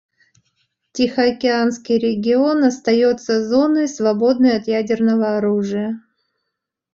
Тихоокеанский регион остается зоной, свободной от ядерного оружия.